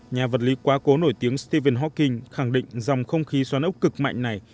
nhà vật lý quá cố nổi tiếng stephen hawking khẳng định dòng không khí xoán ốc cực mạnh này